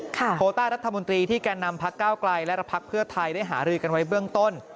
โคต้ารัฐมนตรีที่แก่นำพักก้าวไกลและพักเพื่อไทยได้หารือกันไว้เบื้องต้น